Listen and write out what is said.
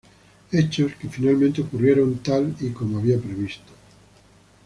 Hechos que finalmente ocurrieron tal y como había previsto.